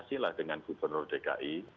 komunikasilah dengan gubernur dki